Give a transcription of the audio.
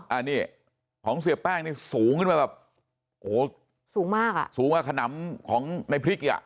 อันนี้ของเสียแป้งนี่สูงขึ้นมาแบบโอ้โหสูงมากอ่ะสูงกว่าขนำของในพริกอ่ะ